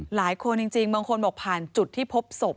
หลายคนจริงบางคนบอกผ่านจุดที่พบศพ